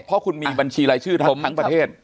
เพราะคุณมีบัญชีรายชื่อผมทั้งประเทศ